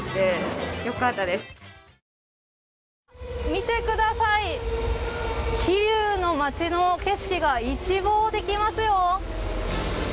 見てください、桐生の町の景色が一望できますよ。